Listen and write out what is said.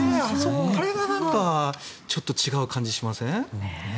あれが、なんかちょっと違う感じしません？